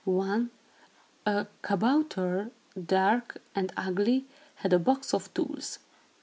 One, a kabouter, dark and ugly, had a box of tools.